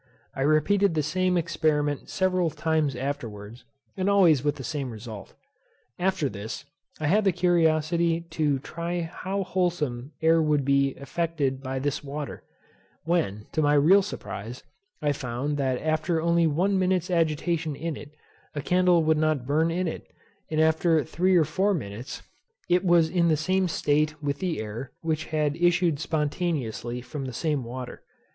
I repeated the same experiment several times afterwards, and always with the same result. After this, I had the curiosity to try how wholesome air would be affected by this water; when, to my real surprise, I found, that after only one minute's agitation in it, a candle would not burn in it; and, after three or four minutes, it was in the same state with the air, which had issued spontaneously from the same water.